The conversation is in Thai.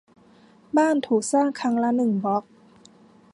บ้านถูกสร้างครั้งละหนึ่งบล๊อก